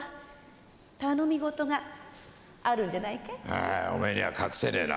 ああおめえには隠せねえな。